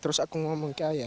terus aku ngomong ke ayah